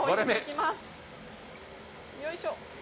よいしょ。